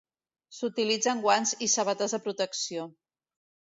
S'utilitzen guants i sabates de protecció.